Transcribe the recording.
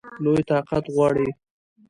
لوی طاقت غواړي.